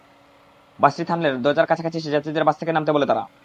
বাসটি থামলে দরজার কাছাকাছি এসে যাত্রীদের বাস থেকে নামতে বলে তারা।